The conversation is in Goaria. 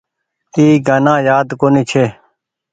اي گآنآ يآد ڪونيٚ ڇي۔